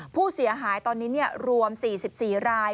ผู้เสียหายตอนนี้รวม๔๔ราย